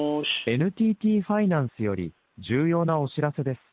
ＮＴＴファイナンスより、重要なお知らせです。